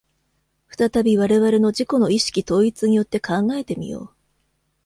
再び我々の自己の意識統一によって考えて見よう。